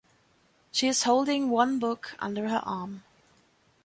She is holding one book under her arm.